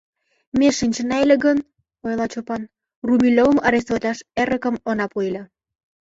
— Ме шинчена ыле гын, — ойла Чопан, — Румелёвым арестоватлаш эрыкым она пу ыле.